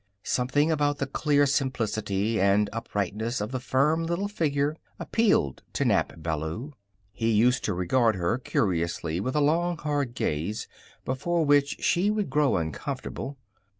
Something about the clear simplicity and uprightness of the firm little figure appealed to Nap Ballou. He used to regard her curiously with a long, hard gaze before which she would grow uncomfortable.